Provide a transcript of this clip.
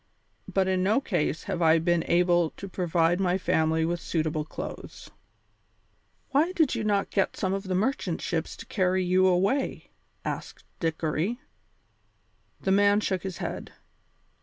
But in no case have I been able to provide my family with suitable clothes." "Why did you not get some of these merchant ships to carry you away?" asked Dickory. The man shook his head.